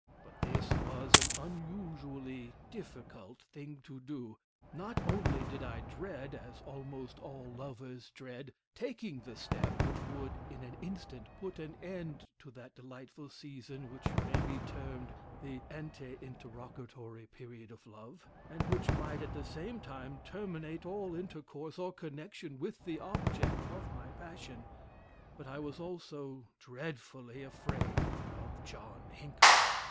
But this was an unusually difficult thing to do. Not only did I dread, as almost all lovers dread, taking the step which would in an instant put an end to that delightful season which may be termed the ante interrogatory period of love, and which might at the same time terminate all intercourse or connection with the object of my passion; but I was, also, dreadfully afraid of John Hinckman.